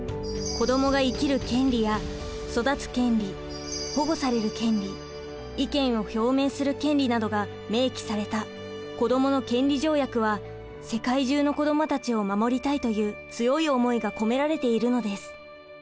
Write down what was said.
子どもが生きる権利や育つ権利保護される権利意見を表明する権利などが明記された子どもの権利条約は世界中の子どもたちを守りたいという強い思いが込められているのです。